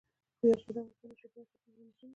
یاقوت د افغانستان د چاپیریال ساتنې لپاره مهم دي.